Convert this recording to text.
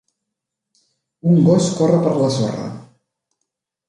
Un gos corre per la sorra.